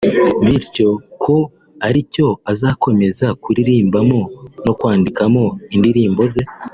bityo ko aricyo azakomeza kuririmbamo no kwandikamo indirimbo ze